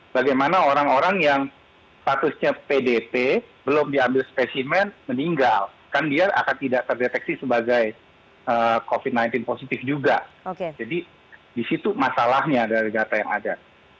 bagaimana orang orang yang patusnya pdt belum diambil spesimen meninggal kan dia akan tidak terdeteksi sebagai covid sembilan belas positif juga jadi disitu masalahnya dari data yang ada